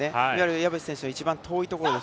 岩渕選手の遠いところ。